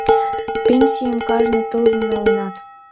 — Пенсийым кажне тылзын налынат.